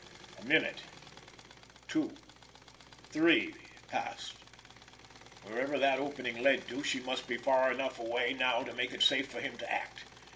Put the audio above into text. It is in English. A minute, two, three, passed. Wherever that opening led to, she must be far enough away now to make it safe for him to act.